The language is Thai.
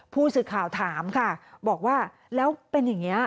ผู้สื่อข่าวถามค่ะบอกว่าแล้วเป็นอย่างนี้